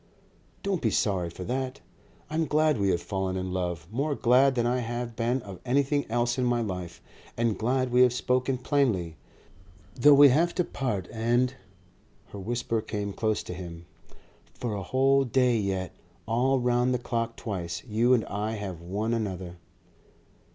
Don't be sorry for that. I am glad we have fallen in love, more glad than I have been of anything else in my life, and glad we have spoken plainly.... Though we have to part. And " Her whisper came close to him. "For a whole day yet, all round the clock twice, you and I have one another."